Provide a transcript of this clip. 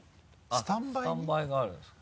スタンバイがあるんですか？